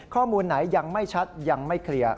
ข้อมูลไหนยังไม่ชัดยังไม่เคลียร์